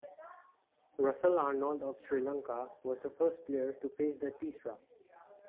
Russel Arnold of Sri Lanka was the first player to face the teesra.